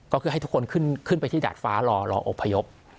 ก็คือให้ทุกคนขึ้นไปที่ดาดฟ้ารออบพยพ